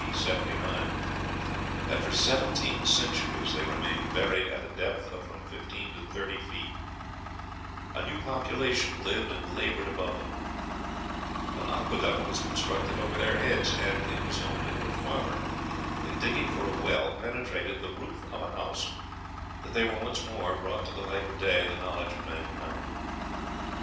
79 that for seventeen centuries they remained buried at a depth of from fifteen to thirty feet; a new population lived and labored above them; an aqueduct was constructed over their heads; and it was only when a farmer, in digging for a well, penetrated the roof of a house, that they were once more brought to the light of day and the knowledge of mankind.